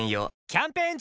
キャンペーン中！